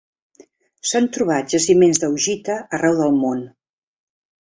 S'han trobat jaciments d'augita arreu del món.